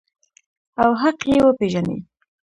او حق یې وپیژني.